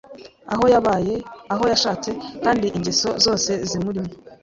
aho yabaye, aho yashatse, kandi ingeso zose zimurimo